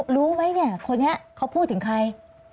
รู้ไหมเนี่ยคนนี้เขาพูดถึงใคร